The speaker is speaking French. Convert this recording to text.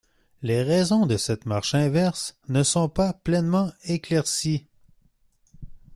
Les raisons de cette marche inverse ne sont pas pleinement éclaircies.